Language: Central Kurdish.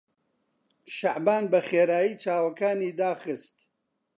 شەعبان بەخێرایی چاوەکانی داخستن.